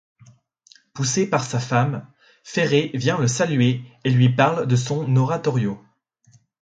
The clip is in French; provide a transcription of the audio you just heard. Poussé par sa femme, Ferré vient le saluer et lui parle de son oratorio.